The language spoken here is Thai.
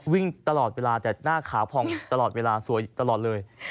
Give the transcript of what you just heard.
วิ่งตลอดเวลาแต่หน้าขาวผ่องตลอดเวลาสวยตลอดเลย